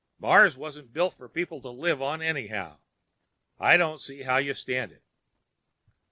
Mars wasn't built for people to live on, anyhow. I don't see how you stand it."